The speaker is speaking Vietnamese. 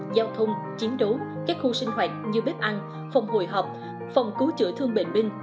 hệ thống chiến đấu các khu sinh hoạt như bếp ăn phòng hồi họp phòng cứu chữa thương bệnh binh